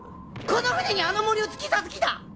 この船にあのもりを突き刺す気だ！